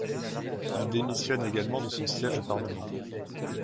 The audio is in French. Il démissionne également de son siège au parlement.